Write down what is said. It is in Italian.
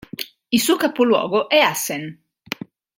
Il suo capoluogo è Assen.